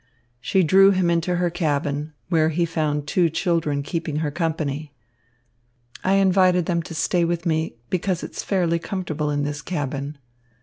She drew him into her cabin, where he found two children keeping her company. "I invited them to stay with me because it's fairly comfortable in this cabin."